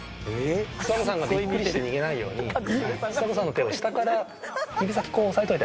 ちさ子さんがビックリして逃げないようにちさ子さんの手を下から指先こう押さえといて。